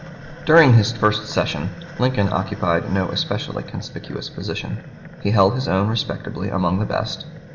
During his first session Lincoln occupied no especially conspicuous position. He held his own respectably among the best.